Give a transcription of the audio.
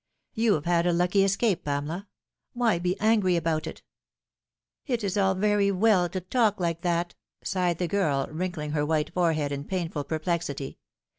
You have had a lucky escape, Pamela. Why be angry about it ?"" It is all very well to talk like that," sighed the girl, wrink ling her white forehead in painful perplexity.